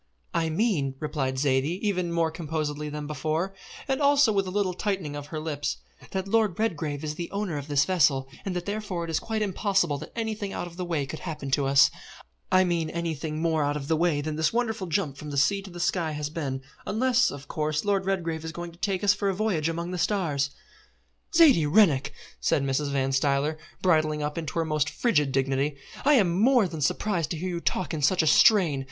"I mean," replied Zaidie even more composedly than before, and also with a little tightening of her lips, "that Lord Redgrave is the owner of this vessel, and that therefore it is quite impossible that anything out of the way could happen to us I mean anything more out of the way than this wonderful jump from the sea to the sky has been, unless, of course, Lord Redgrave is going to take us for a voyage among the stars." "Zaidie Rennick!" said Mrs. Van Stuyler, bridling up into her most frigid dignity, "I am more than surprised to hear you talk in such a strain.